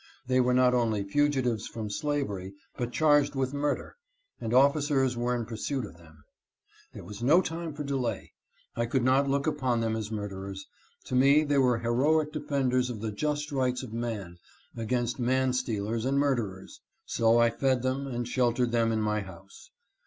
They were not only fugitives from slavery but charged with murder, and officers were in pursuit of them. There was no time for delay. I could not look upon them as murderers. To me, they were heroic defenders of the just rights of man against manstealers and murderers. So I fed them, and sheltered them in my house.